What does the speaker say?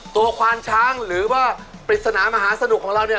ควานช้างหรือว่าปริศนามหาสนุกของเราเนี่ย